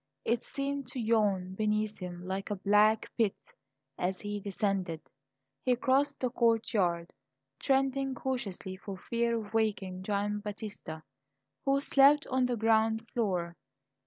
It seemed to yawn beneath him like a black pit as he descended. He crossed the courtyard, treading cautiously for fear of waking Gian Battista, who slept on the ground floor.